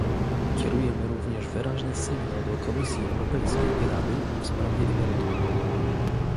Kierujemy również wyraźny sygnał do Komisji Europejskiej i Rady w sprawie emerytur